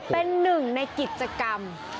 เป็นหนึ่งในกิจกรรม